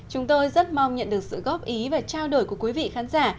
chúng tôi rất mong nhận được sự góp ý và trao đổi của quý vị khán giả